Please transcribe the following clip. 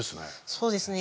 そうですね